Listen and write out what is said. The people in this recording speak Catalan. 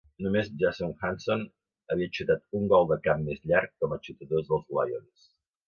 Només Jason Hanson havia xutat un gol de camp més llarg com a xutadors dels Lions.